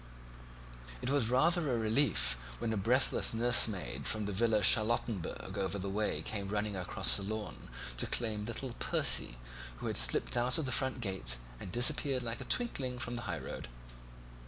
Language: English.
It was rather a relief when a breathless nursemaid from the Villa Charlottenburg over the way came running across the lawn to claim little Percy, who had slipped out of the front gate and disappeared like a twinkling from the high road.